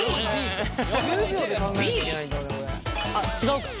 あっ違うか。